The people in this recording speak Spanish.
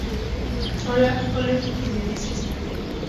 Olaf College de Minnesota.